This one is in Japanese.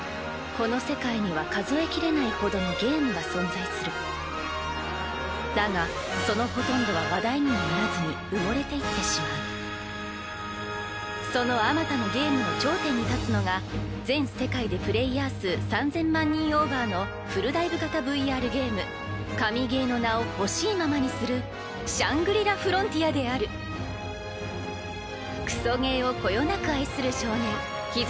この世界には数えきれないほどのゲームが存在するだがそのほとんどは話題にはならずに埋もれていってしまうそのあまたのゲームの頂点に立つのが全世界でプレイヤー数３０００万人オーバーのフルダイブ型ＶＲゲーム神ゲーの名を欲しいままにする「シャングリラ・フロンティア」であるクソゲーをこよなく愛する少年陽務